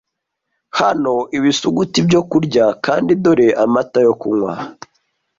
Hano ibisuguti byo kurya kandi dore amata yo kunywa,